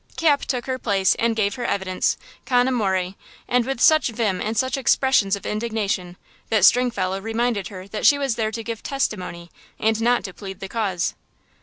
Cap took her place and gave her evidence con amore, and with such vim and such expressions of indignation, that Stringfellow reminded her she was there to give testimony, and not to plead the cause.